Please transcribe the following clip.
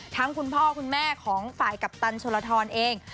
คุณพ่อคุณแม่ของฝ่ายกัปตันชนลทรเอง